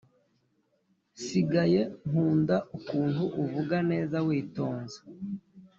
sigaye nkunda ukuntu uvuga neza witonze